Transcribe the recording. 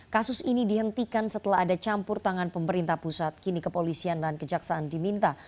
kasus ini dihentikan setelah ada campur tangan pemerintah pusat kini kepolisian dan kejaksaan diminta